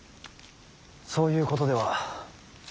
そういうことでは。